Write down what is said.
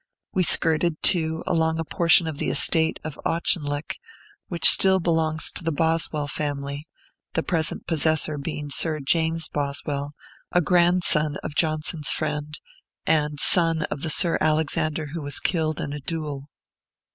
We skirted, too, along a portion of the estate of Auchinleck, which still belongs to the Boswell family, the present possessor being Sir James Boswell [Sir James Boswell is now dead], a grandson of Johnson's friend, and son of the Sir Alexander who was killed in a duel.